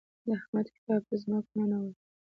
د احمد کتاب په ځمکه ننوت.